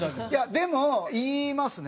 でも言いますね。